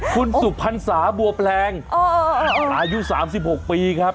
คุณสุพรรษาบัวแปลงอายุ๓๖ปีครับ